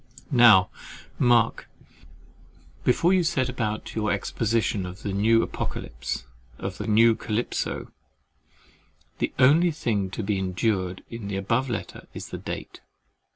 Now mark, before you set about your exposition of the new Apocalypse of the new Calypso, the only thing to be endured in the above letter is the date.